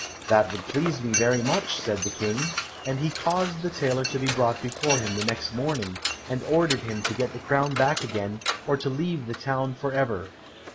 "That would please me very much," said the King, and he caused the tailor to be brought before him next morning, and ordered him to get the crown back again, or to leave the town for ever.